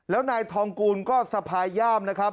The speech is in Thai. แล้วนายทองกูลก็สะพายย่ามนะครับ